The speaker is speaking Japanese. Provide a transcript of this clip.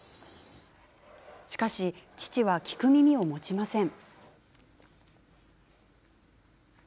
しかし、父は聞く耳を持ちません。